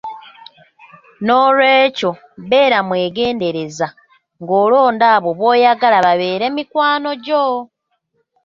N’olwekyo beera mwegendereza ng’olonda abo b’oyagala babeere mikwano gyo.